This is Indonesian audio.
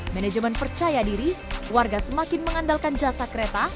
manajemen percaya diri warga semakin mengandalkan jasa kereta